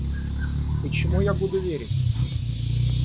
И чему я буду верить?